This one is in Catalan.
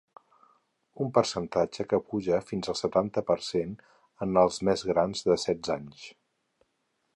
Un percentatge que puja fins al setanta per cent en els més grans de setze anys.